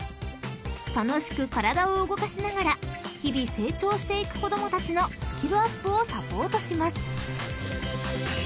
［楽しく体を動かしながら日々成長していく子供たちのスキルアップをサポートします］